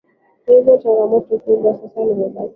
hivyo changamoto kubwa sasa limebakia